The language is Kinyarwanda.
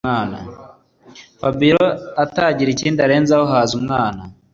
fabiora ataragira ikindi arenzaho haza umwana